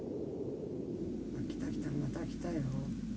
来た来たまた来たよ。